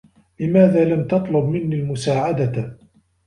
لماذا لم تطلب منّي المساعدة؟